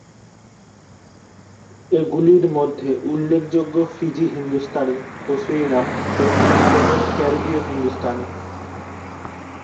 এগুলির মধ্যে উল্লেখযোগ্য ফিজি হিন্দুস্তানি ও সুরিনাম ও ত্রিনিদাদের ক্যারিবীয় হিন্দুস্তানি।